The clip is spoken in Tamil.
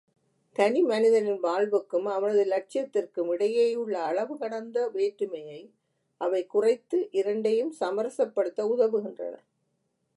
தனி மனிதனின் வாழ்வுக்கும் அவனது இலட்சியத்திற்கும் இடையேயுள்ள அளவு கடந்த வேற்றுமையை அவை குறைத்து இரண்டையும் சமரசப்படுத்த உதவுகின்றன.